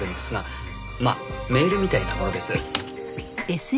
まあメールみたいなものです。